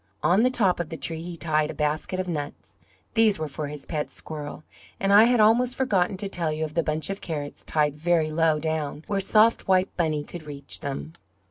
On the top of the tree he tied a basket of nuts; these were for his pet squirrel; and I had almost forgotten to tell you of the bunch of carrots tied very low down where soft white Bunny could reach them.